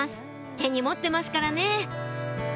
手に持ってますからね